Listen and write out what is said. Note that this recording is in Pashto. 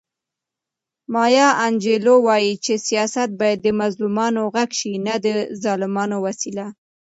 مایا انجیلو وایي چې سیاست باید د مظلومانو غږ شي نه د ظالمانو وسیله.